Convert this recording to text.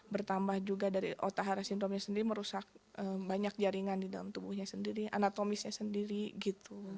bertambah juga dari otahara sindromnya sendiri merusak banyak jaringan di dalam tubuhnya sendiri anatomisnya sendiri gitu